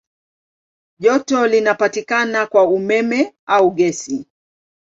Joto linapatikana kwa umeme au gesi.